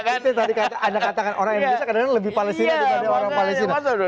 itu tadi anda katakan orang indonesia kadang lebih palestina